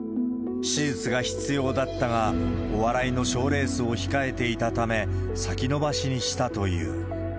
手術が必要だったが、お笑いの賞レースを控えていたため、先延ばしにしたという。